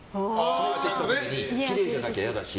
帰ってきた時にきれいじゃないと嫌だし。